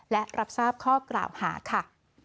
และรับทราบข้อกล่าวหาค่ะ